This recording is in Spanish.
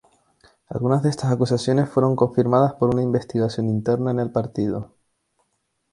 Algunas de estas acusaciones fueron confirmadas por una investigación interna en el partido.